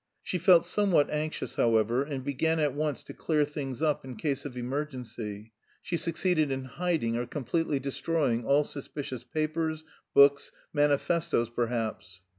She felt somewhat anxious, however, and began at once to clear things up in case of emergency; she succeeded in hiding or completely destroying all suspicious papers, books, manifestoes perhaps.